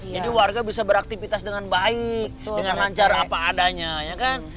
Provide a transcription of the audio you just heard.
jadi warga bisa beraktivitas dengan baik dengan lancar apa adanya ya kan